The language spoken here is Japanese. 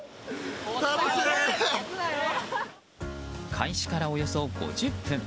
開始からおよそ５０分。